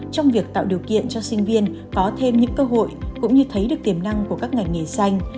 trong việc tạo điều kiện cho sinh viên có thêm những cơ hội cũng như thấy được tiềm năng của các ngành nghề xanh